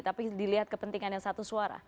tapi dilihat kepentingan yang satu suara